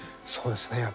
そうですね